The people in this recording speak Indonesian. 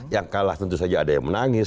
yang kalah tentu saja ada yang menangis